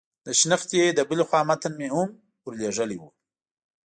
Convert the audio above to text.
د شنختې د بلې خوا متن مې هم ور لېږلی و.